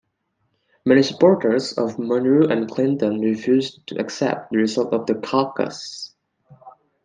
Many supporters of Monroe and Clinton refused to accept the result of the caucus.